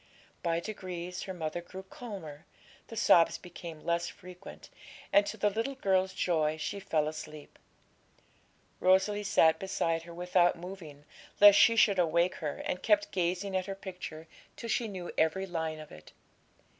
By degrees her mother grew calmer, the sobs became less frequent, and, to the little girl's joy, she fell asleep. Rosalie sat beside her without moving, lest she should awake her, and kept gazing at her picture till she knew every line of it.